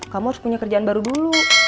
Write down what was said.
kamu harus punya kerjaan baru dulu